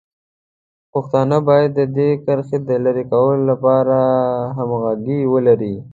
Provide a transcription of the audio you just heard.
پښتانه باید د دې کرښې د لرې کولو لپاره همغږي ولري.